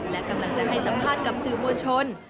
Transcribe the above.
และกำลังจะให้สัมภาษณ์กับสื่อมวลชน